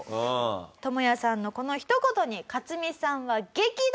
トモヤさんのこのひと言にカツミさんは激怒。